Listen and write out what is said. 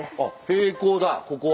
平行だここは。